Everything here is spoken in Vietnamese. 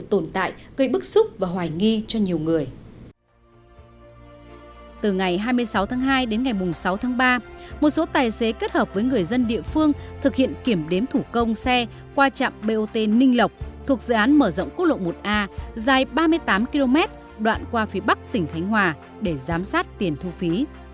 từ ngày hai mươi sáu tháng hai đến ngày sáu tháng ba một số tài xế kết hợp với người dân địa phương thực hiện kiểm đếm thủ công xe qua trạm bot ninh lộc thuộc dự án mở rộng quốc lộ một a dài ba mươi tám km đoạn qua phía bắc tỉnh khánh hòa để giám sát tiền thu phí